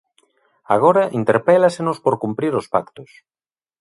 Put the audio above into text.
Agora interpélasenos por cumprir os pactos.